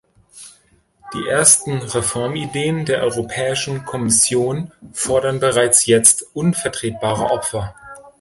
Die ersten Reformideen der Europäischen Kommission fordern bereits jetzt unvertretbare Opfer.